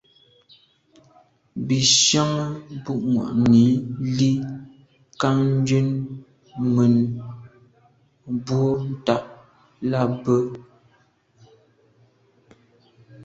Bìn síáŋ bû’ŋwà’nǐ lî kά njə́n mə̂n mbwɔ̀ ntὰg lά bwə́.